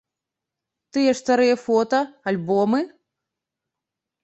Тыя ж старыя фота, альбомы?